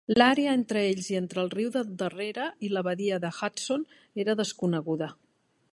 L'àrea entre ells i entre el riu del darrere i la badia de Hudson era desconeguda.